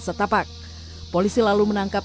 setapak polisi lalu menangkap